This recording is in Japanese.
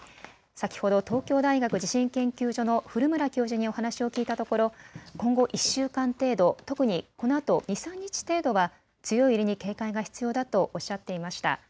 先ほど東京大学地震研究所の古村教授にお話を聞いたところ今後１週間程度、特にこのあと２、３日程度は強い揺れに警戒が必要だとおっしゃっていました。